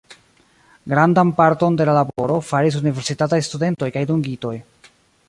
Grandan parton de la laboro faris universitataj studentoj kaj dungitoj.